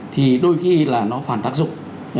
thì đôi khi là nó phản tác dụng